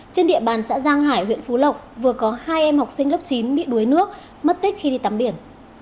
trên địa bàn xã giang hải huyện phú lộc vừa có hai em học sinh lớp chín bị đuối nước mất tích khi đi tắm biển